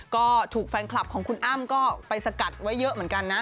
ก็ถูกแฟนคลับของคุณอ้ำก็ไปสกัดไว้เยอะเหมือนกันนะ